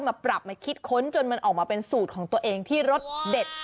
มาปรับมาคิดค้นจนมันออกมาเป็นสูตรของตัวเองที่รสเด็ด